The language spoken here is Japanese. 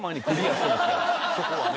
そこはね。